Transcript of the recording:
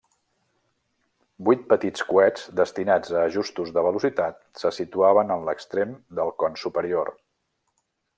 Vuit petits coets destinats a ajustos de velocitat se situaven en l'extrem del con superior.